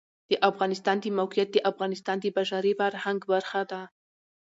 د افغانستان د موقعیت د افغانستان د بشري فرهنګ برخه ده.